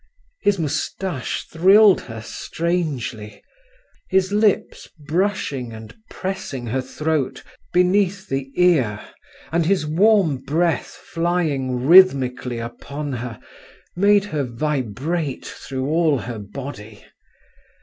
His moustache thrilled her strangely. His lips, brushing and pressing her throat beneath the ear, and his warm breath flying rhythmically upon her, made her vibrate through all her body.